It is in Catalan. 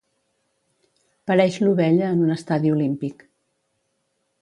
Pareix l'ovella en un estadi olímpic.